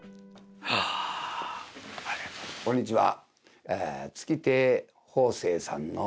こんにちは。